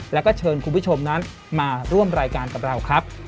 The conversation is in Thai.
แล้วก็เชิญคุณผู้ชมนั้นมาร่วมรายการกับเราครับ